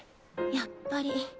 やっぱり。